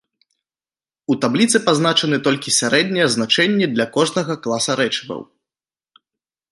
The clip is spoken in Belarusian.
У табліцы пазначаны толькі сярэднія значэнні для кожнага класа рэчываў.